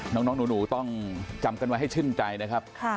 น้องหนูต้องจำกันไว้ให้ชื่นใจนะครับ